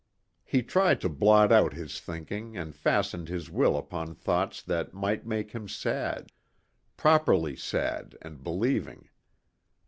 He tried to blot out his thinking and fastened his will upon thoughts that might make him sad, properly sad and believing.